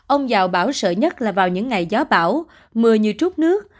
ông giàu bảo sợ nhất là vào những ngày gió bão mưa như chút nước